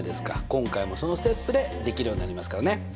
今回もそのステップでできるようになりますからね。